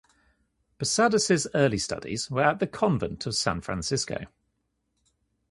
Posadas' early studies were at the convent of San Francisco.